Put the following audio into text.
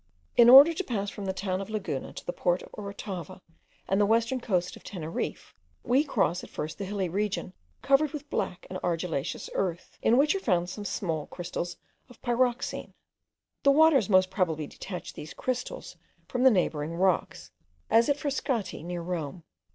In order to pass from the town of Laguna to the port of Orotava and the western coast of Teneriffe, we cross at first a hilly region covered with black and argillaceous earth, in which are found some small crystals of pyroxene. The waters most probably detach these crystals from the neighbouring rocks, as at Frascati, near Rome.